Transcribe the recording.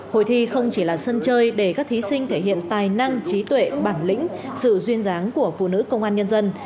hội thi không chỉ là sân chơi để các thí sinh thể hiện tài năng trí tuệ bản lĩnh sự duyên dáng của phụ nữ công an nhân dân